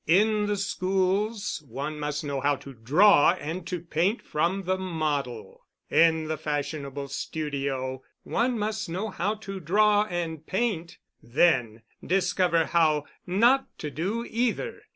In the schools one must know how to draw and to paint from the model. In the fashionable studio one must know how to draw and paint—then discover how not to do either.